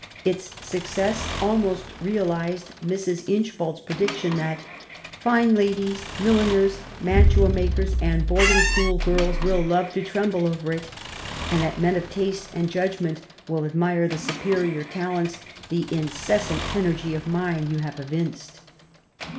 Its success almost realized Mrs. Inchbald's prediction that " fine ladies, milliners^ mantua makers^ and boarding school girls will love to tremble over it^ and that men of taste and judgment will admire the superior talents, the incessant energy of mind you have evinced.